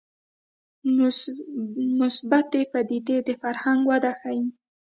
مثبتې پدیدې د فرهنګ وده ښيي